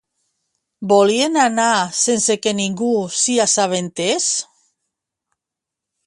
Volien anar sense que ningú s'hi assabentés?